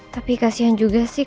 tapi kasihan juga sih